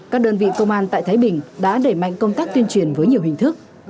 các đơn vị công an tại thái bình đã đẩy mạnh công tác tuyên truyền với nhiều hình thức